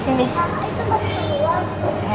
sampai jumpa ya